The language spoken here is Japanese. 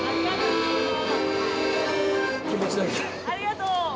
ありがとう。